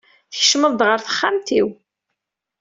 Tkecmeḍ-d ɣer texxamt-iw.